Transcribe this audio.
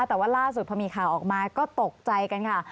แต่ว่าล่าสุดพอมีข่าวออกมาก็ตกใจกันค่ะ